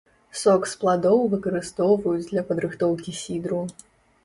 Сок з пладоў выкарыстоўваюць для падрыхтоўкі сідру.